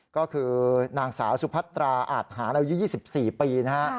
ก็คือนางสาวสุพัตราอาทหารอายุ๒๔ปีนะฮะ